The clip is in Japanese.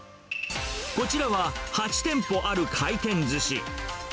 こちらは、８店舗ある回転ずし。